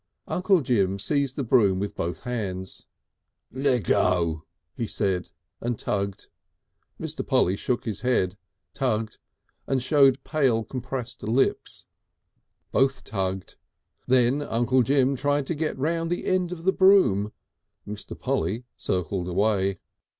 Uncle Jim seized the broom with both hands. "Lea go!" he said, and tugged. Mr. Polly shook his head, tugged, and showed pale, compressed lips. Both tugged. Then Uncle Jim tried to get round the end of the broom; Mr. Polly circled away.